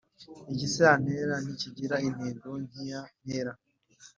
Igisantera ntikigira intego nkiya ntera